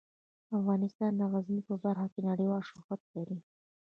افغانستان د غزني په برخه کې نړیوال شهرت لري.